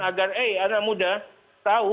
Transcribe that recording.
agar anak muda tahu